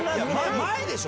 前でしょ？